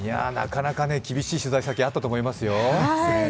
なかなか厳しい取材先あったと思いますよ。